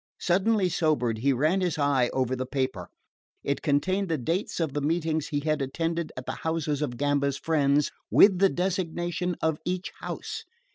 Suddenly sobered, he ran his eye over the paper. It contained the dates of the meetings he had attended at the houses of Gamba's friends, with the designation of each house.